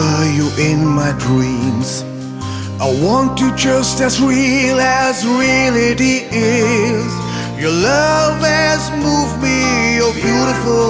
apakah cintaku tidak berarti apa apa bagimu